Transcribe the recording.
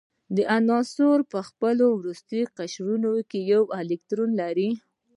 دا عنصرونه په خپل وروستي قشر کې یو الکترون لري.